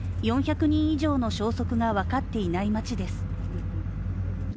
４００人以上の消息が分かっていない町です。